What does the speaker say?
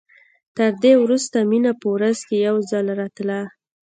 تر دې وروسته مينه په ورځ کښې يو ځل راتله.